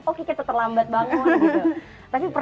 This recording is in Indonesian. oke kita terlambat bangun gitu